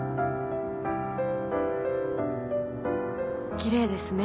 奇麗ですね。